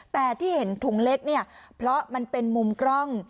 แต่ที่เห็นถุงเล็กเนี่ยเพราะมันเป็นมุมกล้อง